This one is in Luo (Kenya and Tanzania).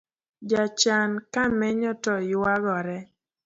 Jachan kamenyo to yuagore